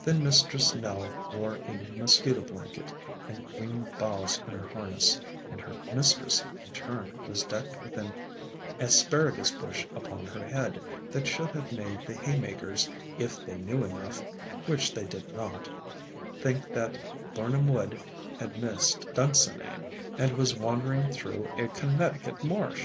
Then Mistress • Nell wore a mosquito blanket and green boughs in her harness, and her mistress, in turn, was decked with an Asparagus bush upon her head that should have made the haymakers, if they knew enough (which they did not) think that Birnam Wood had missed Dunsinane and was wan dering through a Connecticut marsh!